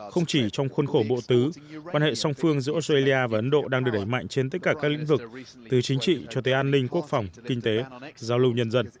không chỉ trong khuôn khổ bộ tứ quan hệ song phương giữa australia và ấn độ đang được đẩy mạnh trên tất cả các lĩnh vực từ chính trị cho tới an ninh quốc phòng kinh tế giao lưu nhân dân